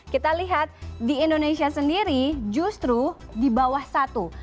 kita lihat di indonesia sendiri justru di bawah satu